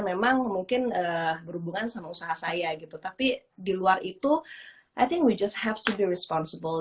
memang mungkin berhubungan sama usaha saya gitu tapi di luar itu i think we just have to be responsible